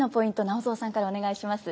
直三さんからお願いします。